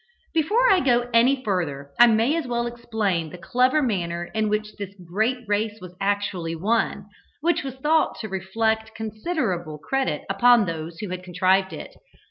Before I go further, I may as well explain the clever manner in which this great race was actually won, which was thought to reflect considerable credit upon those who had contrived it.